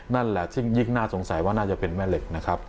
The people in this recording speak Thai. นั่นแหละซึ่งยิ่งน่าสงสัยว่าน่าจะเป็นแม่เหล็กนะครับ